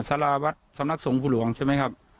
สรวรรค์สำนักศรงค์ผู้หลวงใช่ไหมครับ